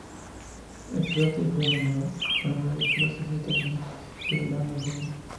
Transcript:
El cráter fue nombrado en memoria del filósofo italiano Giordano Bruno.